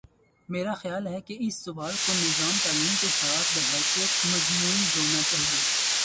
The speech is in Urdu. میرا خیال ہے کہ اس سوال کو نظام تعلیم کے ساتھ بحیثیت مجموعی جوڑنا چاہیے۔